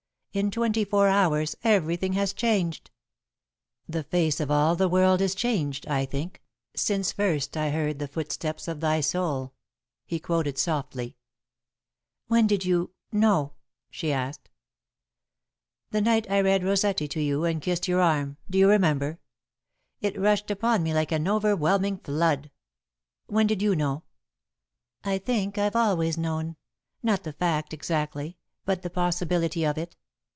In twenty four hours, everything has changed." "The face of all the world is changed, I think, Since first I heard the footsteps of thy soul." he quoted softly. [Sidenote: When They Knew] "When did you know?" she asked. "The night I read Rossetti to you and kissed your arm, do you remember? It rushed upon me like an overwhelming flood. When did you know?" "I think I've always known not the fact, exactly, but the possibility of it.